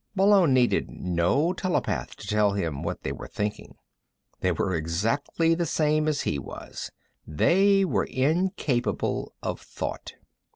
Malone needed no telepath to tell him what they were thinking. They were exactly the same as he was. They were incapable of thought.